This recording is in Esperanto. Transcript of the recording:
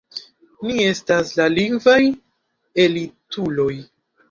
Ni estas la lingvaj elituloj!